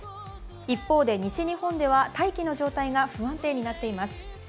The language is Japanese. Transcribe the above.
一方で西日本では大気の状態が不安定になっています。